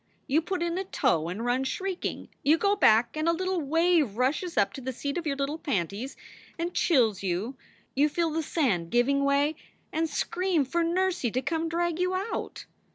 You put in a toe and run shrieking; you go back, and a little wave rushes up to the seat of your little panties, and chills you; you feel the sand giving way, and scream for nursie to come drag you out.